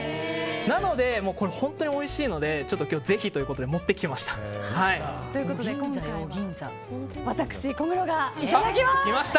なので、本当においしいので今日ぜひということで持ってきました。ということで今回は私、小室がいただきます。